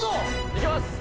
いきます！